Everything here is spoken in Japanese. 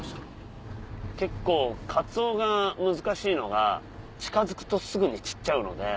結構カツオが難しいのが近づくとすぐに散っちゃうので。